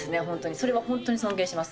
それは本当に尊敬します。